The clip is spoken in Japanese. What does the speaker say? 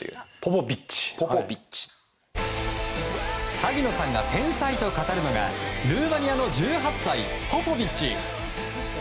萩野さんが天才と語るのがルーマニアの１８歳ポポビッチ。